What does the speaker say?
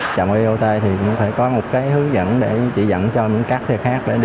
trạm bot thì có thể có một cái hướng dẫn để chỉ dẫn cho những các xe khác để đi